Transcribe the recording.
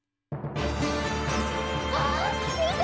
あっみて！